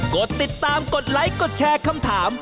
กดติดตามกดไลค์กดแชร์คำถาม